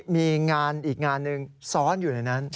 มีงานอีกงานหนึ่งซ้อนอยู่ในนั้น